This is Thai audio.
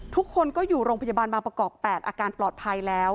ทุกคนก็อยู่โรงพยาบาลบางประกอบ๘อาการปลอดภัยแล้ว